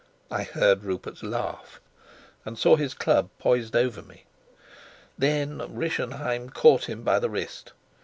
I heard Rupert's laugh, and saw his club poised over me; then Rischenheim caught him by the wrist.